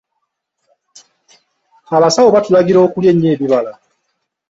Abasawo batulagira okulya ennyo ebibala.